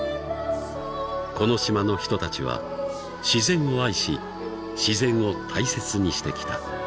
［この島の人たちは自然を愛し自然を大切にしてきた］